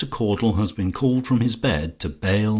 CAUDLE HAS BEEN CALLED FROM HIS BED TO BAIL MR.